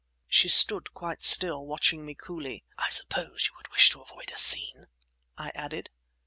She stood quite still, watching me coolly. "I suppose you would wish to avoid a scene?" I added.